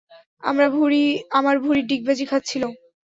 আমার ভুঁড়ি ডিগবাজি খাচ্ছিলো।